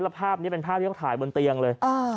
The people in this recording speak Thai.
แล้วภาพนี้เป็นภาพที่เขาถ่ายบนเตียงเลย